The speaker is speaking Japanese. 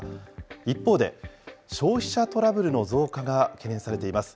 一方で、消費者トラブルの増加が懸念されています。